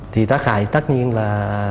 thì tác hại tất nhiên là